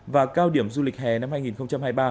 và cao điểm du lịch hè năm hai nghìn hai mươi ba